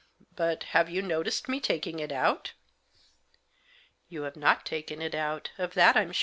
But — have you noticed me taking it out ?"" You've not taken it out, of that I'm sure."